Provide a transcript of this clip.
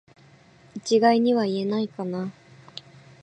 一概には言えないかな